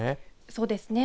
そうですね。